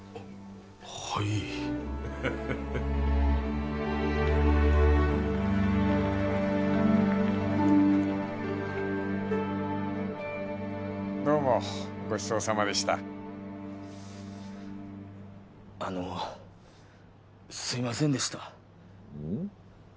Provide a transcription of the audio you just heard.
はいどうもごちそうさまでしたあのすいませんでしたうん？